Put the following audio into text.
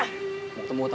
ched jalur dulu ya